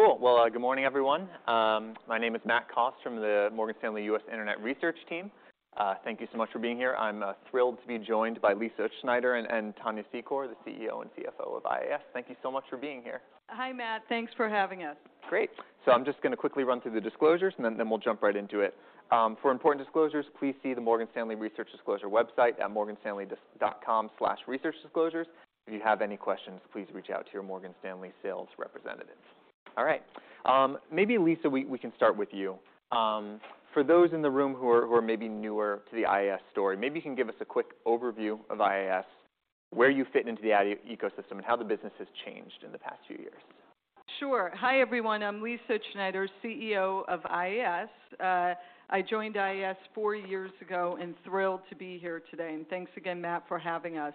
Cool. Well, good morning, everyone. My name is Matt Cost from the Morgan Stanley US Internet Research team. Thank you so much for being here. I'm thrilled to be joined by Lisa Utzschneider and Tania Secor, the CEO and CFO of IAS. Thank you so much for being here. Hi, Matt. Thanks for having us. Great. I'm just gonna quickly run through the disclosures, and then we'll jump right into it. For important disclosures, please see the Morgan Stanley Research Disclosure website at morganstanley.com/researchdisclosures. If you have any questions, please reach out to your Morgan Stanley sales representative. All right. Maybe Lisa, we can start with you. For those in the room who are maybe newer to the IAS story, maybe you can give us a quick overview of IAS, where you fit into the ad ecosystem, and how the business has changed in the past few years. Sure. Hi, everyone. I'm Lisa Utzschneider, CEO of IAS. I joined IAS four years ago and thrilled to be here today, and thanks again, Matt, for having us.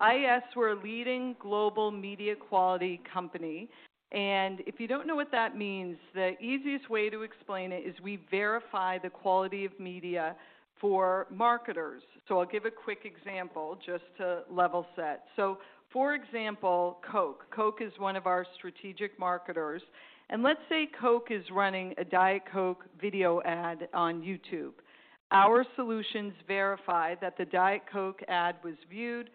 IAS, we're a leading global media quality company, and if you don't know what that means, the easiest way to explain it is we verify the quality of media for marketers. I'll give a quick example just to level set. For example, Coke. Coke is one of our strategic marketers, and let's say Coke is running a Diet Coke video ad on YouTube. Our solutions verify that the Diet Coke ad was viewed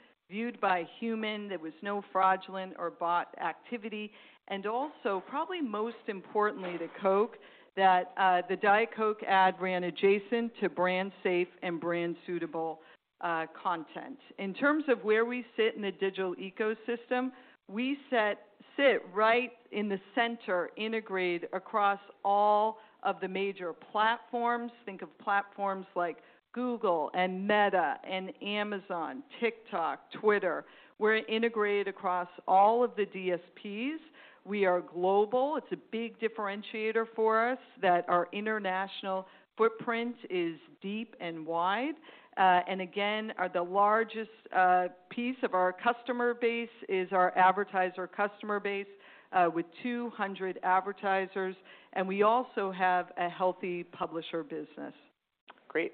by a human, there was no fraudulent or bot activity, and also, probably most importantly to Coke, that the Diet Coke ad ran adjacent to brand safe and brand suitable content. In terms of where we sit in the digital ecosystem, we sit right in the center integrated across all of the major platforms. Think of platforms like Google and Meta and Amazon, TikTok, Twitter. We're integrated across all of the DSPs. We are global. It's a big differentiator for us that our international footprint is deep and wide. Again, the largest piece of our customer base is our advertiser customer base, with 200 advertisers, and we also have a healthy publisher business. Great.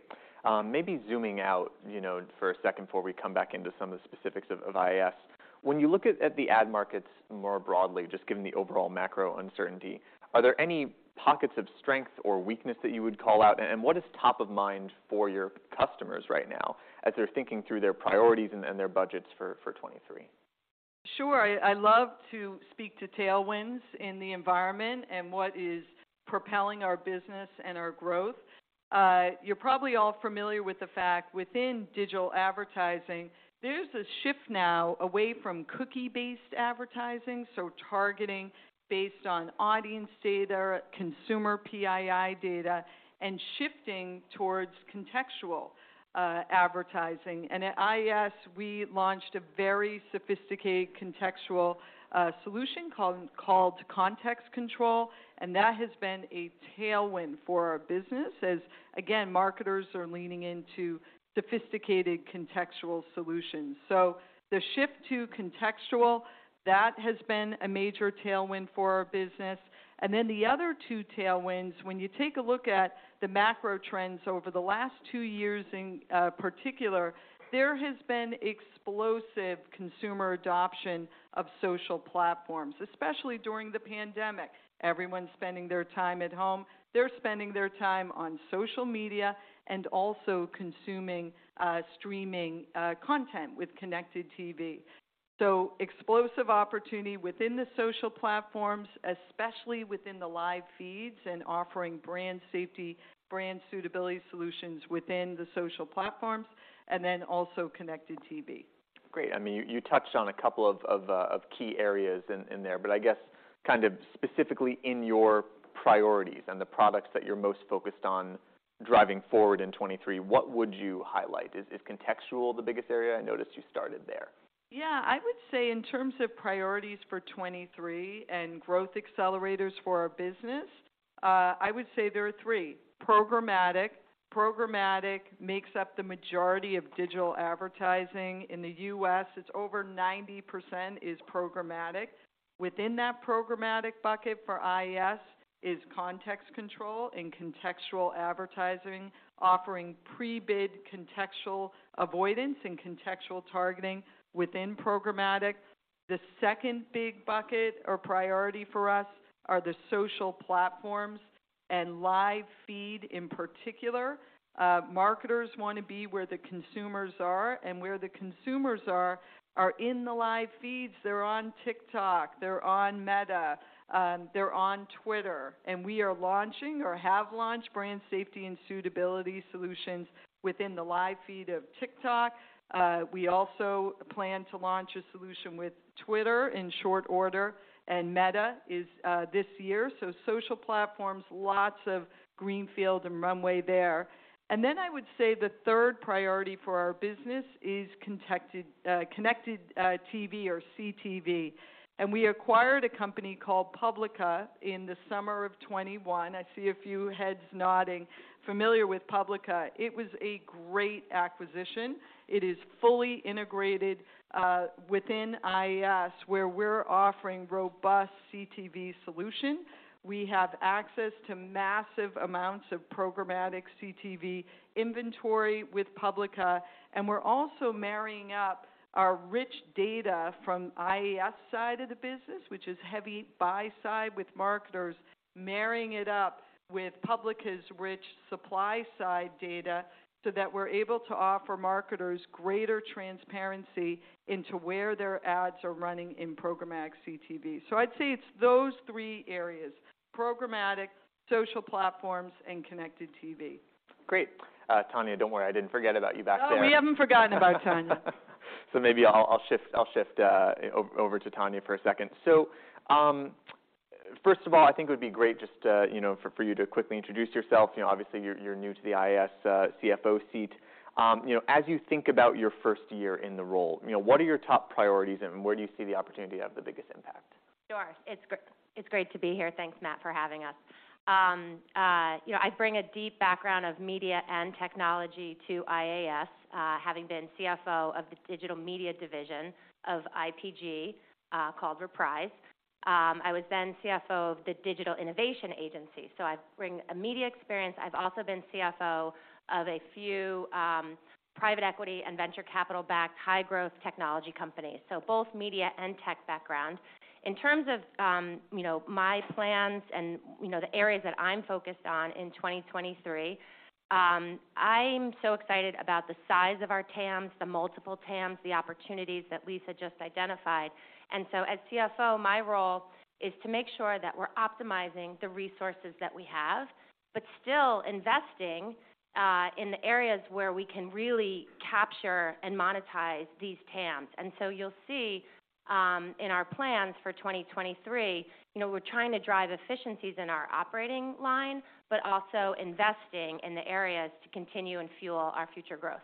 maybe zooming out, you know, for a second before we come back into some of the specifics of IAS. When you look at the ad markets more broadly, just given the overall macro uncertainty, are there any pockets of strength or weakness that you would call out? What is top of mind for your customers right now as they're thinking through their priorities and their budgets for 2023? Sure. I love to speak to tailwinds in the environment and what is propelling our business and our growth. You're probably all familiar with the fact within digital advertising, there's a shift now away from cookie-based advertising, so targeting based on audience data, consumer PII data, and shifting towards contextual advertising. At IAS, we launched a very sophisticated contextual solution called Context Control, and that has been a tailwind for our business as, again, marketers are leaning into sophisticated contextual solutions. The shift to contextual, that has been a major tailwind for our business. The other 2 tailwinds, when you take a look at the macro trends over the last 2 years in particular, there has been explosive consumer adoption of social platforms, especially during the pandemic. Everyone's spending their time at home. They're spending their time on social media and also consuming, streaming, content with connected TV. Explosive opportunity within the social platforms, especially within the live feeds and offering brand safety, brand suitability solutions within the social platforms, and then also connected TV. Great. I mean, you touched on a couple of key areas in there. I guess kind of specifically in your priorities and the products that you're most focused on driving forward in 2023, what would you highlight? Is contextual the biggest area? I noticed you started there. Yeah. I would say in terms of priorities for 2023 and growth accelerators for our business, I would say there are three. Programmatic. Programmatic makes up the majority of digital advertising. In the U.S., it's over 90% is programmatic. Within that programmatic bucket for IAS is Context Control and contextual advertising, offering pre-bid contextual avoidance and contextual targeting within programmatic. The second big bucket or priority for us are the social platforms and live feed in particular. Marketers wanna be where the consumers are, and where the consumers are in the live feeds. They're on TikTok, they're on Meta, they're on Twitter, we are launching or have launched brand safety and suitability solutions within the live feed of TikTok. We also plan to launch a solution with Twitter in short order, Meta is this year. Social platforms, lots of greenfield and runway there. And then I would say the third priority for our business is connected TV or CTV. And we acquired a company called Publica in the summer of 2021. I see a few heads nodding, familiar with Publica. It was a great acquisition. It is fully integrated within IAS, where we're offering robust CTV solution. We have access to massive amounts of programmatic CTV inventory with Publica. And we're also marrying up our rich data from IAS side of the business, which is heavy buy side with marketers, marrying it up with Publica's rich supply side data. That we're able to offer marketers greater transparency into where their ads are running in programmatic CTV. I'd say it's those three areas: programmatic, social platforms, and connected TV. Great. Tania, don't worry, I didn't forget about you back there. Oh, we haven't forgotten about Tania. Maybe I'll shift over to Tania for a second. First of all, I think it would be great just to, you know, for you to quickly introduce yourself. You know, obviously you're new to the IAS CFO seat. You know, as you think about your first year in the role, you know, what are your top priorities and where do you see the opportunity to have the biggest impact? Sure. It's great to be here. Thanks, Matt, for having us. You know, I bring a deep background of media and technology to IAS, having been CFO of the digital media division of IPG, called Reprise. I was then CFO of the digital innovation agency, so I bring a media experience. I've also been CFO of a few private equity and venture capital-backed high-growth technology companies, so both media and tech background. In terms of, you know, my plans and, you know, the areas that I'm focused on in 2023, I'm so excited about the size of our TAMs, the multiple TAMs, the opportunities that Lisa just identified. As CFO, my role is to make sure that we're optimizing the resources that we have, but still investing in the areas where we can really capture and monetize these TAMs. You'll see in our plans for 2023, you know, we're trying to drive efficiencies in our operating line, but also investing in the areas to continue and fuel our future growth.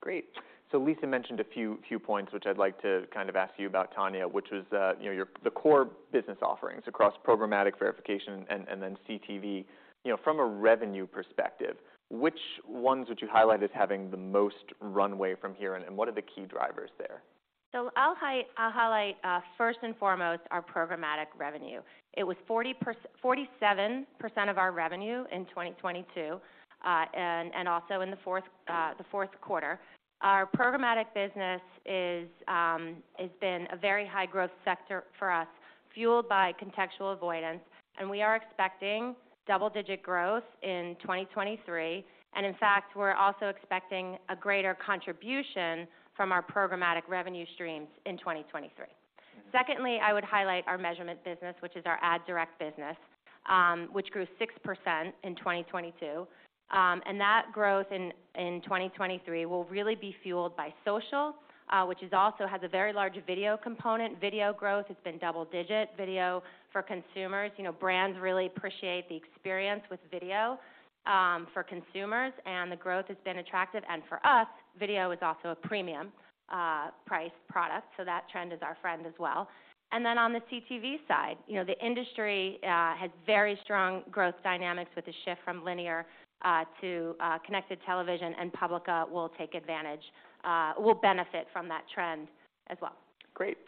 Great. Lisa mentioned a few points, which I'd like to kind of ask you about, Tania, which was, you know, the core business offerings across programmatic verification and then CTV. You know, from a revenue perspective, which ones would you highlight as having the most runway from here, and what are the key drivers there? I'll highlight first and foremost our programmatic revenue. It was 47% of our revenue in 2022, and also in the fourth quarter. Our programmatic business is has been a very high-growth sector for us, fueled by contextual avoidance, and we are expecting double-digit growth in 2023. In fact, we're also expecting a greater contribution from our programmatic revenue streams in 2023. Secondly, I would highlight our measurement business, which is our ad direct business, which grew 6% in 2022. And that growth in 2023 will really be fueled by social, which is also has a very large video component. Video growth has been double digit. Video for consumers, you know, brands really appreciate the experience with video, for consumers, and the growth has been attractive. For us, video is also a premium price product, so that trend is our friend as well. On the CTV side, you know, the industry has very strong growth dynamics with the shift from linear to connected television and Publica will take advantage, will benefit from that trend as well. Great.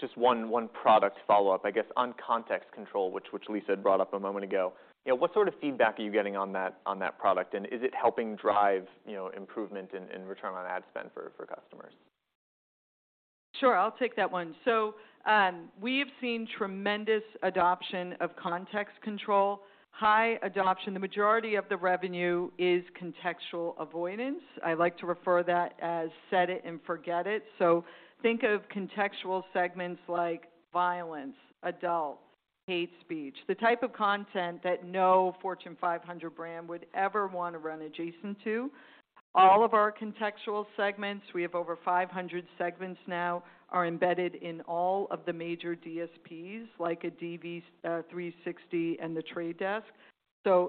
just one product follow-up, I guess, on Context Control, which Lisa had brought up a moment ago. You know, what sort of feedback are you getting on that product, and is it helping drive, you know, improvement in return on ad spend for customers? Sure. I'll take that one. We have seen tremendous adoption of Context Control. High adoption. The majority of the revenue is contextual avoidance. I like to refer that as set it and forget it. Think of contextual segments like violence, adult, hate speech, the type of content that no Fortune 500 brand would ever wanna run adjacent to. All of our contextual segments, we have over 500 segments now, are embedded in all of the major DSPs, like DV360 and The Trade Desk.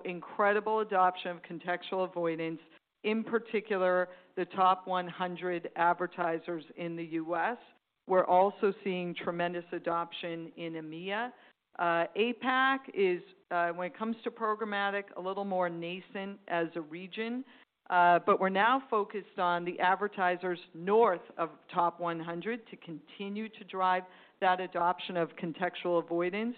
Incredible adoption of contextual avoidance, in particular the top 100 advertisers in the U.S. We're also seeing tremendous adoption in EMEA. APAC is when it comes to programmatic, a little more nascent as a region, but we're now focused on the advertisers north of top 100 to continue to drive that adoption of contextual avoidance.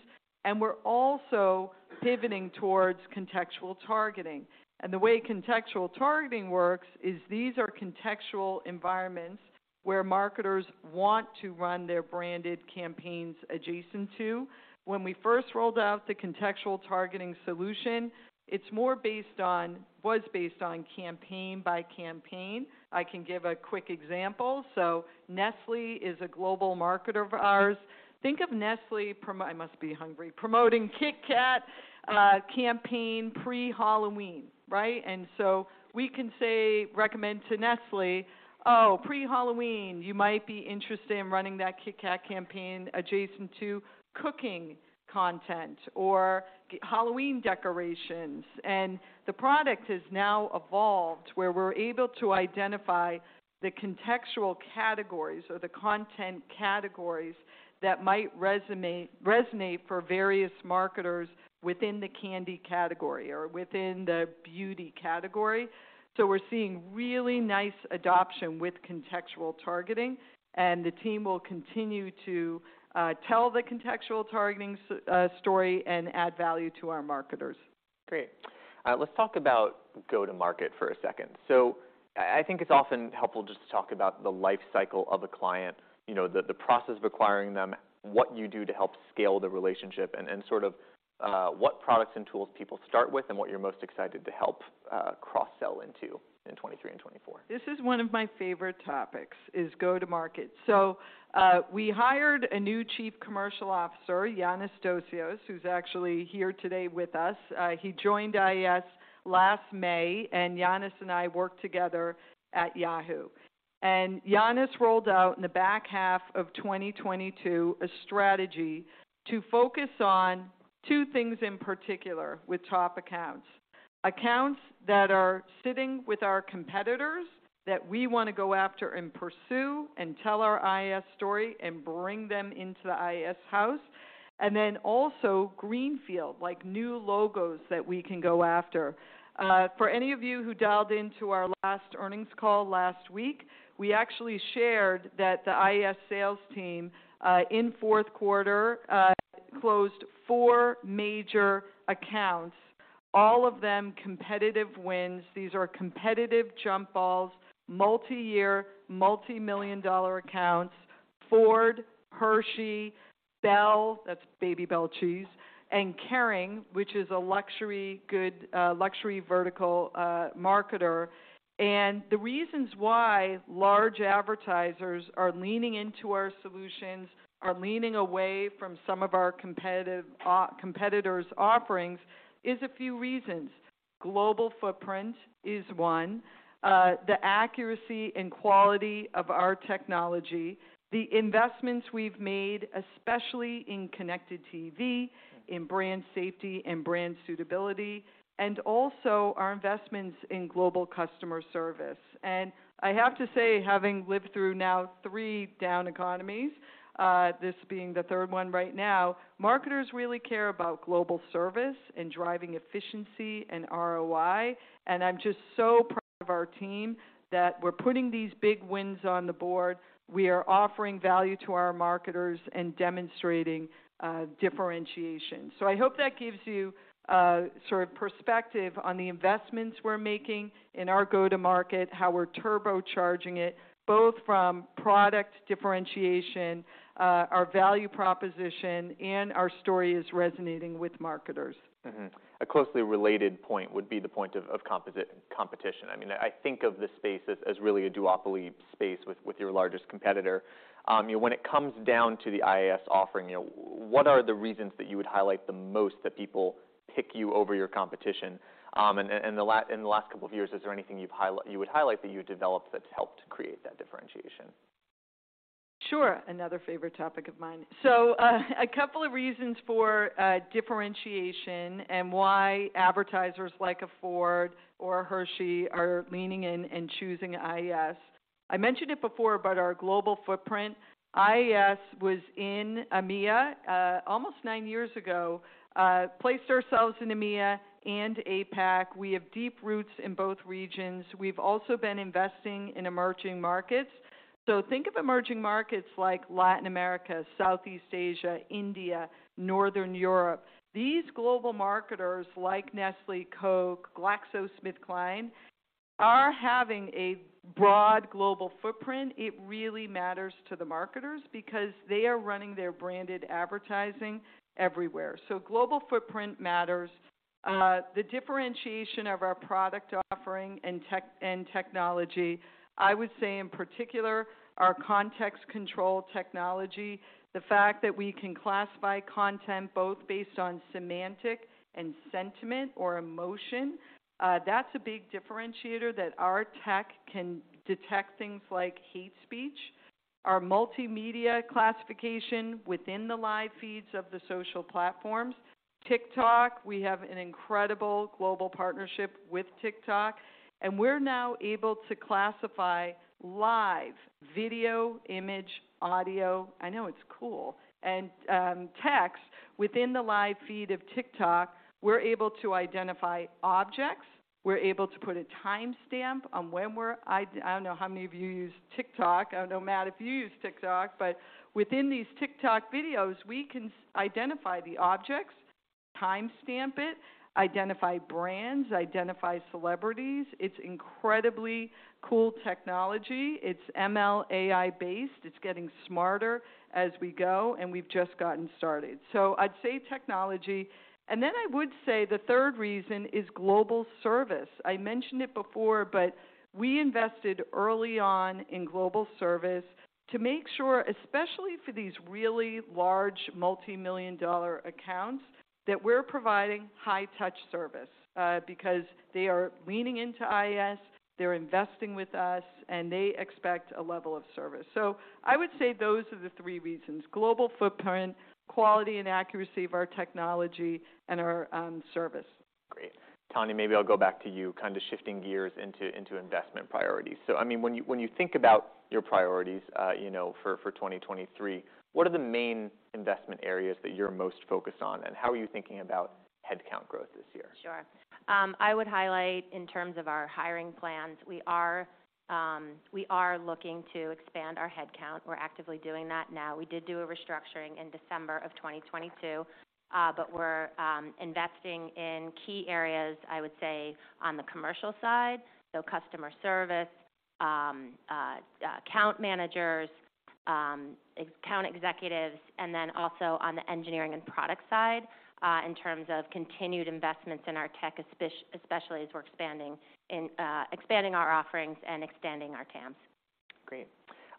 We're also pivoting towards contextual targeting. The way contextual targeting works is these are contextual environments where marketers want to run their branded campaigns adjacent to. When we first rolled out the contextual targeting solution, it's more based on was based on campaign by campaign. I can give a quick example. Nestlé is a global marketer of ours. Think of Nestlé, I must be hungry, promoting KitKat, campaign pre-Halloween, right? We can say, recommend to Nestlé, "Oh, pre-Halloween, you might be interested in running that KitKat campaign adjacent to cooking content or Halloween decorations." The product has now evolved where we're able to identify the contextual categories or the content categories that might resonate for various marketers within the candy category or within the beauty category. We're seeing really nice adoption with contextual targeting, and the team will continue to tell the contextual targeting story and add value to our marketers. Great. Let's talk about go-to-market for a second. I think it's often helpful just to talk about the life cycle of a client, you know, the process of acquiring them, what you do to help scale the relationship, and sort of what products and tools people start with and what you're most excited to help cross-sell into in 2023 and 2024. This is one of my favorite topics, is go to market. We hired a new Chief Commercial Officer, Yannis Dosios, who's actually here today with us. He joined IAS last May, and Yannis and I worked together at Yahoo. Yannis rolled out in the back half of 2022 a strategy to focus on two things in particular with top accounts. Accounts that are sitting with our competitors that we wanna go after and pursue and tell our IAS story and bring them into the IAS house, and then also greenfield, like new logos that we can go after. For any of you who dialed into our last earnings call last week, we actually shared that the IAS sales team, in fourth quarter, closed four major accounts, all of them competitive wins. These are competitive jump balls, multi-year, multi-million dollar accounts, Ford, Hershey, Bel, that's Babybel cheese, and Kering, which is a luxury good, luxury vertical, marketer. The reasons why large advertisers are leaning into our solutions, are leaning away from some of our competitors' offerings is a few reasons. Global footprint is one. The accuracy and quality of our technology, the investments we've made, especially in connected TV, in brand safety and brand suitability, and also our investments in global customer service. I have to say, having lived through now 3 down economies, this being the third one right now, marketers really care about global service and driving efficiency and ROI, and I'm just so proud of our team that we're putting these big wins on the board. We are offering value to our marketers and demonstrating differentiation. I hope that gives you sort of perspective on the investments we're making in our go-to-market, how we're turbocharging it, both from product differentiation, our value proposition, and our story is resonating with marketers. A closely related point would be the point of competition. I mean, I think of this space as really a duopoly space with your largest competitor. You know, when it comes down to the IAS offering, you know, what are the reasons that you would highlight the most that people pick you over your competition? In the last couple of years, is there anything you would highlight that you developed that's helped create that differentiation? Sure. Another favorite topic of mine. A couple of reasons for differentiation and why advertisers like a Ford or a Hershey are leaning in and choosing IAS. I mentioned it before about our global footprint. IAS was in EMEA almost nine years ago. Placed ourselves in EMEA and APAC. We have deep roots in both regions. We've also been investing in emerging markets. Think of emerging markets like Latin America, Southeast Asia, India, Northern Europe. These global marketers like Nestlé, Coke, GSK, are having a broad global footprint. It really matters to the marketers because they are running their branded advertising everywhere. Global footprint matters. The differentiation of our product offering and technology, I would say in particular, our Context Control technology, the fact that we can classify content both based on semantic and sentiment or emotion, that's a big differentiator that our tech can detect things like hate speech. Our multimedia classification within the live feeds of the social platforms. TikTok, we have an incredible global partnership with TikTok, and we're now able to classify live video, image, audio, I know it's cool, and text within the live feed of TikTok. We're able to identify objects. We're able to put a timestamp on when I don't know how many of you use TikTok. I don't know, Matt, if you use TikTok. Within these TikTok videos, we can identify the objects, timestamp it, identify brands, identify celebrities. It's incredibly cool technology. It's ML/AI-based. It's getting smarter as we go, and we've just gotten started. I'd say technology. Then I would say the third reason is global service. I mentioned it before, but we invested early on in global service to make sure, especially for these really large multi-million dollar accounts, that we're providing high touch service because they are leaning into IAS, they're investing with us, and they expect a level of service. I would say those are the three reasons, global footprint, quality and accuracy of our technology, and our service. Great. Tania, maybe I'll go back to you, kind of shifting gears into investment priorities. I mean, when you, when you think about your priorities, you know, for 2023, what are the main investment areas that you're most focused on, and how are you thinking about headcount growth this year? Sure. I would highlight in terms of our hiring plans, we are looking to expand our headcount. We're actively doing that now. We did do a restructuring in December of 2022, but we're investing in key areas, I would say, on the commercial side, so customer service, account managers, ex-account executives, and then also on the engineering and product side, in terms of continued investments in our tech, especially as we're expanding our offerings and expanding our TAMs. Great.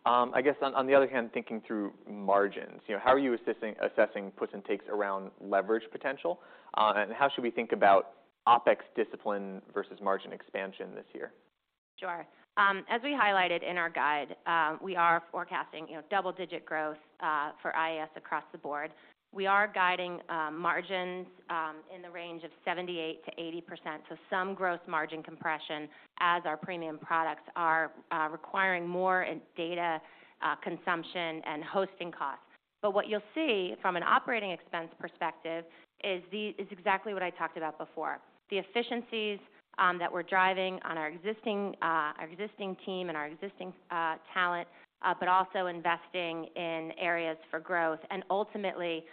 I guess on the other hand, thinking through margins, you know, how are you assessing puts and takes around leverage potential? How should we think about OpEx discipline versus margin expansion this year? Sure. As we highlighted in our guide, we are forecasting, you know, double-digit growth for IAS across the board. We are guiding margins in the range of 78%-80%, some gross margin compression as our premium products are requiring more data consumption and hosting costs. What you'll see from an operating expense perspective is exactly what I talked about before. The efficiencies that we're driving on our existing team and our existing talent, also investing in areas for growth. Ultimately,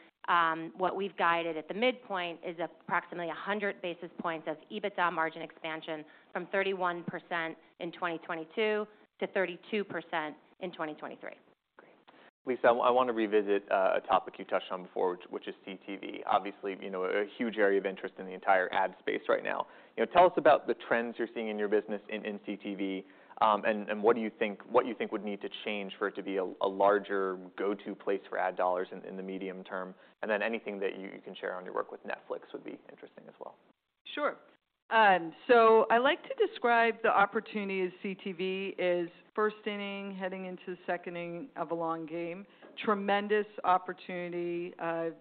what we've guided at the midpoint is approximately 100 basis points of EBITDA margin expansion from 31% in 2022 to 32% in 2023. Great. Lisa, I wanna revisit a topic you touched on before which is CTV. Obviously, you know, a huge area of interest in the entire ad space right now. You know, tell us about the trends you're seeing in your business in CTV, and what do you think would need to change for it to be a larger go-to place for ad dollars in the medium term? Anything that you can share on your work with Netflix would be interesting as well. Sure. I like to describe the opportunity as CTV is first inning heading into second inning of a long game. Tremendous opportunity,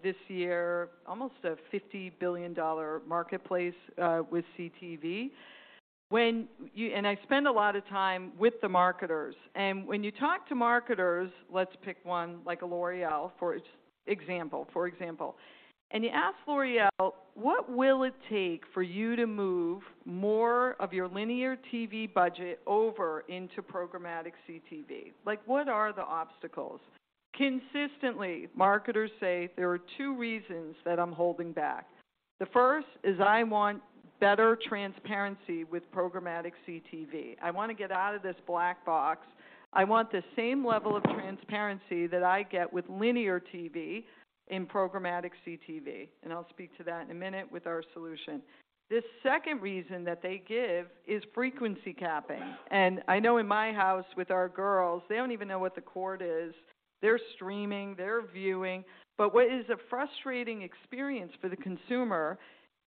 this year, almost a $50 billion marketplace with CTV. And I spend a lot of time with the marketers, and when you talk to marketers, let's pick one, like a L'Oréal for example, and you ask L'Oréal, "What will it take for you to move more of your linear TV budget over into programmatic CTV? Like, what are the obstacles?" Consistently, marketers say, "There are two reasons that I'm holding back. The first is I want better transparency with programmatic CTV. I wanna get out of this black box. I want the same level of transparency that I get with linear TV in programmatic CTV," and I'll speak to that in a minute with our solution. The second reason that they give is frequency capping. I know in my house with our girls, they don't even know what the cord is. They're streaming, they're viewing. But what is a frustrating experience for the consumer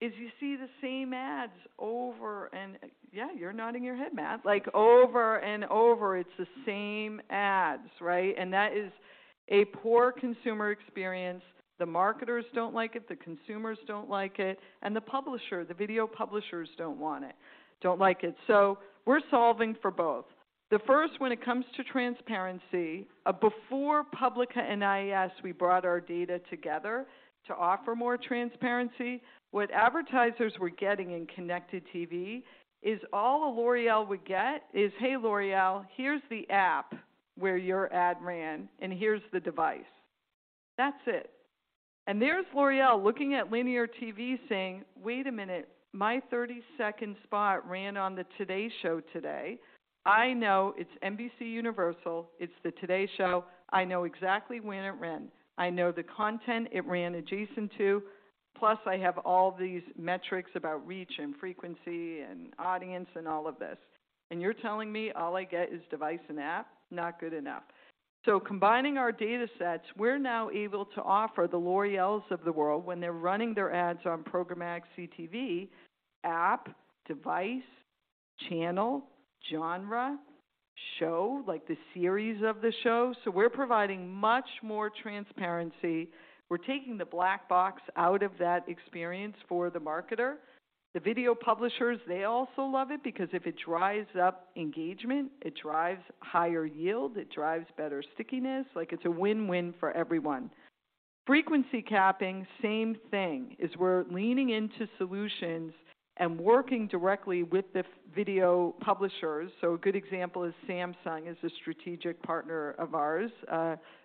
is you see the same ads over and... Yeah, you're nodding your head, Matt. Like, over and over, it's the same ads, right? That is a poor consumer experience. The marketers don't like it, the consumers don't like it, and the publisher, the video publishers don't want it. Don't like it. We're solving for both. The first, when it comes to transparency, before Publica and IAS, we brought our data together to offer more transparency. What advertisers were getting in connected TV is all a L'Oréal would get is, "Hey, L'Oréal, here's the app where your ad ran, and here's the device." That's it. There's L'Oréal looking at linear TV saying, "Wait a minute, my 30-second spot ran on the TODAY Show today. I know it's NBCUniversal, it's the TODAY Show, I know exactly when it ran. I know the content it ran adjacent to, plus I have all these metrics about reach and frequency and audience and all of this. You're telling me all I get is device and app? Not good enough." Combining our datasets, we're now able to offer the L'Oréals of the world, when they're running their ads on programmatic CTV, app, device, channel, genre, show, like the series of the show. We're providing much more transparency. We're taking the black box out of that experience for the marketer. The video publishers, they also love it because if it drives up engagement, it drives higher yield, it drives better stickiness, like it's a win-win for everyone. Frequency capping, same thing, is we're leaning into solutions and working directly with the video publishers. A good example is Samsung is a strategic partner of ours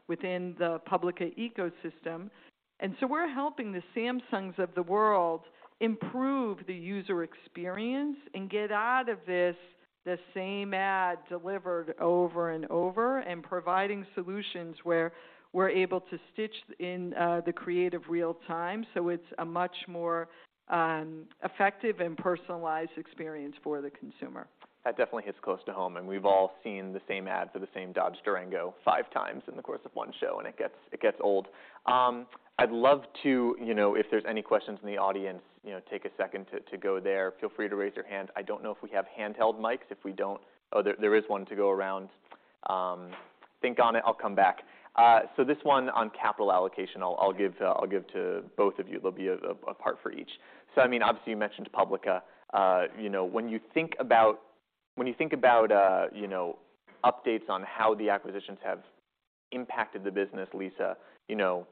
within the Publica ecosystem. We're helping the Samsungs of the world improve the user experience and get out of this, the same ad delivered over and over, and providing solutions where we're able to stitch in the creative real time, so it's a much more effective and personalized experience for the consumer. That definitely hits close to home. We've all seen the same ad for the same Dodge Durango 5 times in the course of one show, and it gets old. I'd love to, you know, if there's any questions in the audience, you know, take a second to go there. Feel free to raise your hand. I don't know if we have handheld mics. If we don't. Oh, there is one to go around. Think on it. I'll come back. This one on capital allocation, I'll give to both of you. There'll be a part for each. I mean, obviously, you mentioned Publica. You know, when you think about, you know, updates on how the acquisitions have impacted the business, Lisa, you know.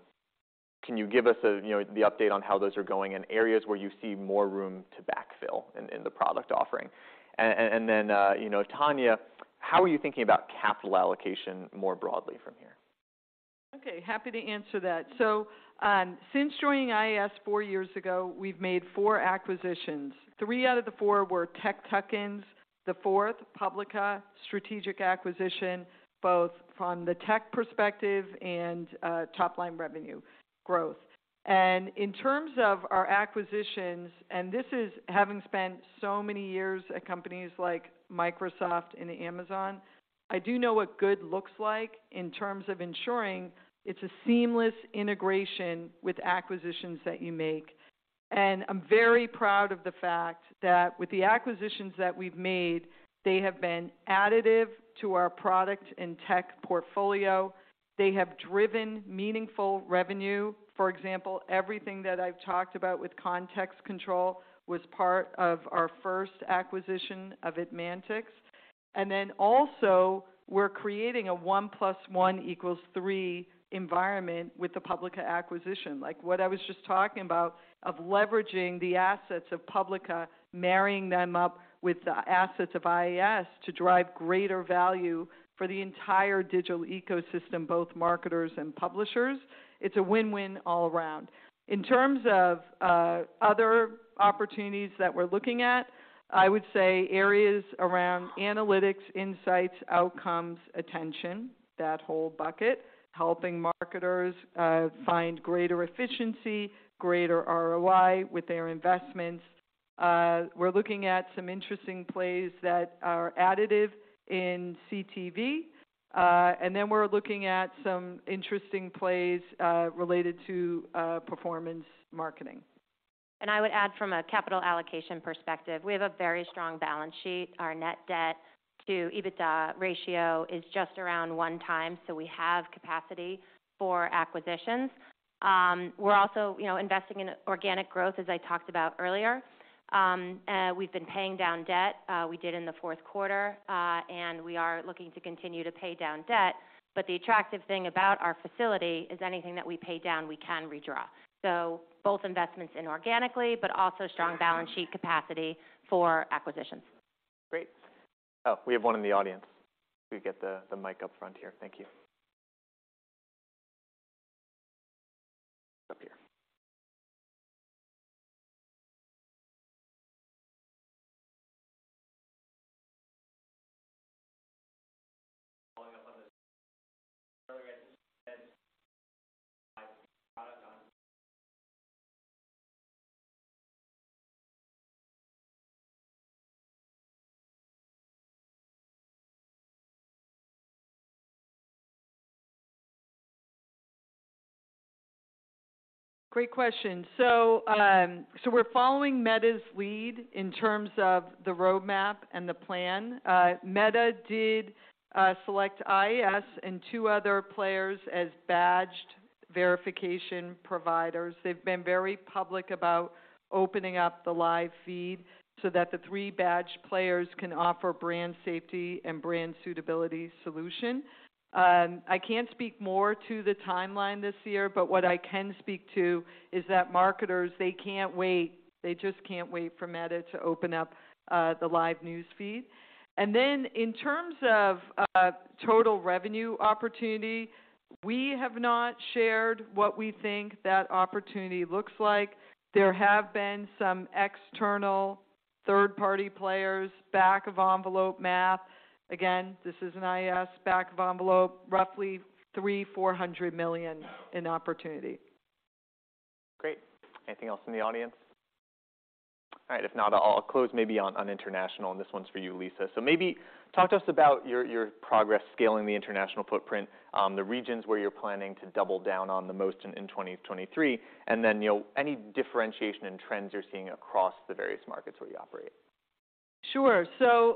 Can you give us a, you know, the update on how those are going and areas where you see more room to backfill in the product offering? You know, Tania, how are you thinking about capital allocation more broadly from here? Happy to answer that. Since joining IAS 4 years ago, we've made 4 acquisitions. 3 out of the 4 were tech tuck-ins. The fourth, Publica, strategic acquisition, both from the tech perspective and top-line revenue growth. In terms of our acquisitions, and this is having spent so many years at companies like Microsoft and Amazon, I do know what good looks like in terms of ensuring it's a seamless integration with acquisitions that you make. I'm very proud of the fact that with the acquisitions that we've made, they have been additive to our product and tech portfolio. They have driven meaningful revenue. For example, everything that I've talked about with Context Control was part of our first acquisition of ADmantX. Also, we're creating a one plus one equals three environment with the Publica acquisition. Like, what I was just talking about of leveraging the assets of Publica, marrying them up with the assets of IAS to drive greater value for the entire digital ecosystem, both marketers and publishers. It's a win-win all around. In terms of other opportunities that we're looking at, I would say areas around analytics, insights, outcomes, attention, that whole bucket, helping marketers find greater efficiency, greater ROI with their investments. We're looking at some interesting plays that are additive in CTV. Then we're looking at some interesting plays related to performance marketing. I would add from a capital allocation perspective, we have a very strong balance sheet. Our net debt to EBITDA ratio is just around 1 time, so we have capacity for acquisitions. We're also, you know, investing in organic growth, as I talked about earlier. We've been paying down debt, we did in the fourth quarter, and we are looking to continue to pay down debt. But the attractive thing about our facility is anything that we pay down, we can redraw. Both investments inorganically, but also strong balance sheet capacity for acquisitions. Great. Oh, we have one in the audience. Can we get the mic up front here? Thank you. Up here. Great question. We're following Meta's lead in terms of the roadmap and the plan. Meta did select IAS and two other players as badged verification providers. They've been very public about opening up the live feed so that the three badged players can offer brand safety and brand suitability solution. I can't speak more to the timeline this year, but what I can speak to is that marketers, they can't wait. They just can't wait for Meta to open up the live news feed. In terms of total revenue opportunity, we have not shared what we think that opportunity looks like. There have been some external third-party players, back-of-envelope math. Again, this isn't IAS, back of envelope, roughly $300 million-$400 million in opportunity. Great. Anything else from the audience? All right. If not, I'll close maybe on international, and this one's for you, Lisa. Maybe talk to us about your progress scaling the international footprint, the regions where you're planning to double down on the most in 2023, and then, you know, any differentiation in trends you're seeing across the various markets where you operate. Sure.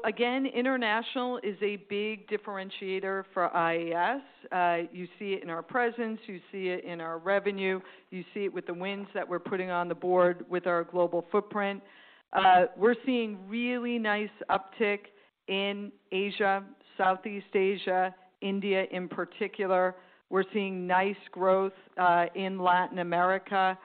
Again, international is a big differentiator for IAS. You see it in our presence. You see it in our revenue. You see it with the wins that we're putting on the board with our global footprint. We're seeing really nice uptick in Asia, Southeast Asia, India in particular. We're seeing nice growth in Latin America.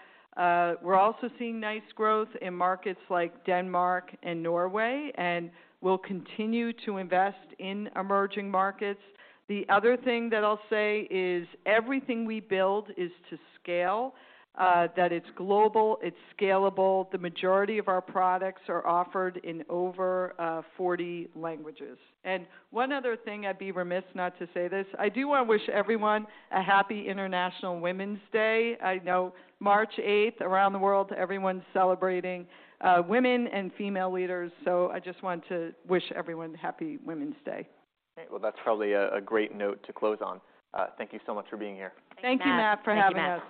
We're also seeing nice growth in markets like Denmark and Norway, and we'll continue to invest in emerging markets. The other thing that I'll say is everything we build is to scale, that it's global, it's scalable. The majority of our products are offered in over 40 languages. One other thing, I'd be remiss not to say this. I do want to wish everyone a happy International Women's Day. I know March 8th around the world, everyone's celebrating women and female leaders, so I just want to wish everyone happy Women's Day. Great. Well, that's probably a great note to close on. Thank you so much for being here. Thank you, Matt, for having us.